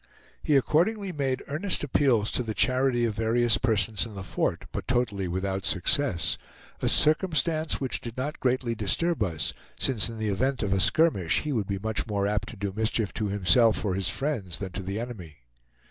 He accordingly made earnest appeals to the charity of various persons in the fort, but totally without success, a circumstance which did not greatly disturb us, since in the event of a skirmish he would be much more apt to do mischief to himself or his friends than to the enemy.